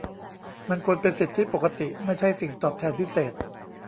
มันควรเป็นสิทธิปกติ ไม่ใช่สิ่งตอบแทนพิเศษ